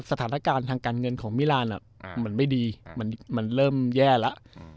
สถานการณ์ทางการเงินของมิรานมันไม่ดีมันเริ่มแย่แล้ว